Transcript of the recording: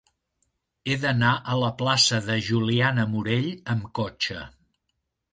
He d'anar a la plaça de Juliana Morell amb cotxe.